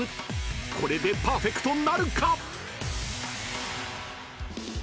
［これでパーフェクトなるか？］